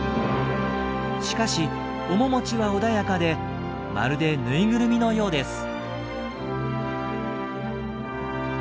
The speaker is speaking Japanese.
しかし面持ちは穏やかでまるでぬいぐるみのようです。